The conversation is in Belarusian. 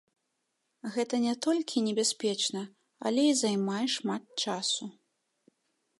Гэта не толькі небяспечна, але і займае шмат часу.